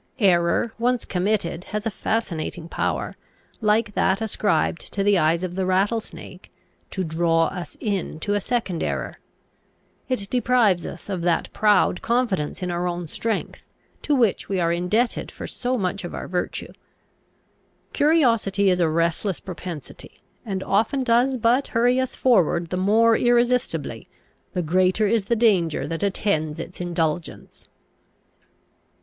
Error, once committed, has a fascinating power, like that ascribed to the eyes of the rattlesnake, to draw us into a second error. It deprives us of that proud confidence in our own strength, to which we are indebted for so much of our virtue. Curiosity is a restless propensity, and often does but hurry us forward the more irresistibly, the greater is the danger that attends its indulgence.